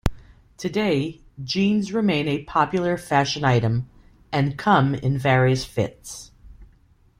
Today, jeans remain a popular fashion item and come in various fits.